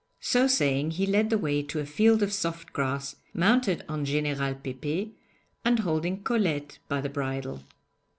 So saying he led the way to a field of soft grass, mounted on General Pépé, and holding Colette by the bridle.